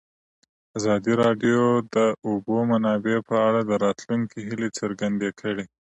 ازادي راډیو د د اوبو منابع په اړه د راتلونکي هیلې څرګندې کړې.